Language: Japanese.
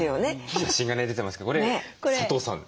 写真がね出てますけどこれ佐藤さん？